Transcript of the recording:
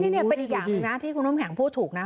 นี่เป็นอีกอย่างหนึ่งนะที่คุณน้ำแข็งพูดถูกนะ